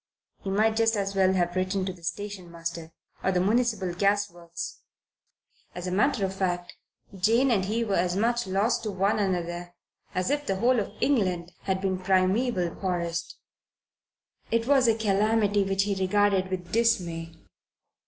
But he might just as well have written to the station master or the municipal gasworks. As a matter of fact Jane and he were as much lost to one another as if the whole of England had been primaeval forest. It was a calamity which he regarded with dismay.